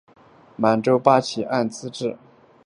满洲八旗按资历深浅可分为旧满洲。